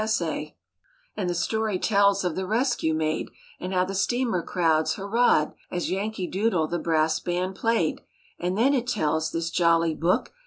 S. A.; HOW THE BEARS REACHED NEW YORK 17 And the story tells of the rescue made And how the steamer crowds hurrahed As "Yankee Doodle" the brass band played; And then it tells, this jolly book.